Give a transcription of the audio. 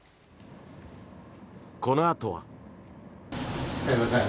このあとは。